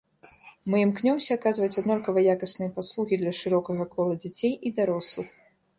Мы імкнёмся аказваць аднолькава якасныя паслугі для шырокага кола дзяцей і дарослых.